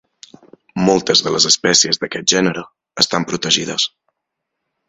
Moltes de les espècies d'aquest gènere estan protegides.